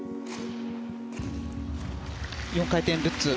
４回転ルッツ。